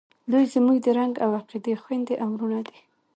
دوئ زموږ د رنګ او عقیدې خویندې او ورونه دي.